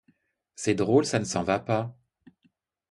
C'est drôle, ça ne s'en va pas.